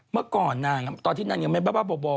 เมื่อก่อนนางตอนที่นางยังไม่บ้าบ่อ